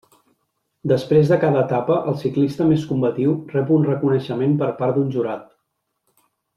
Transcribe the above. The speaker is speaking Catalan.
Després de cada etapa el ciclista més combatiu rep un reconeixement per part d'un jurat.